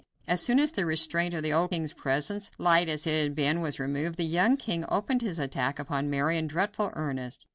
As soon as the restraint of the old king's presence, light as it had been, was removed, the young king opened his attack upon Mary in dreadful earnest.